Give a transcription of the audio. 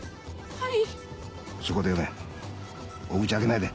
はい。